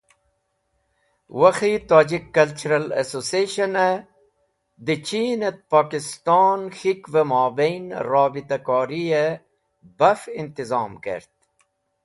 Wakhi Tajik Cultural Association (WTCA) he de Cheen et Pokistone Khikve Mobain Rabita koriye baf intizom kert.